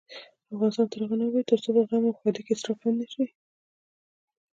افغانستان تر هغو نه ابادیږي، ترڅو په غم او ښادۍ کې اسراف بند نشي.